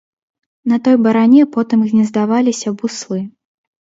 На той баране потым гнездаваліся буслы.